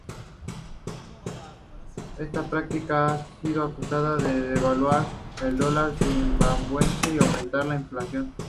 Esta práctica ha sido acusada de devaluar el dólar zimbabuense y aumentar la inflación.